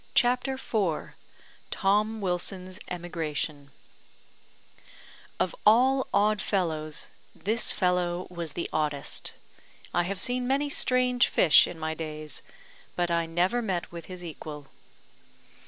CHAPTER IV TOM WILSON'S EMIGRATION "Of all odd fellows, this fellow was the oddest. I have seen many strange fish in my days, but I never met with his equal."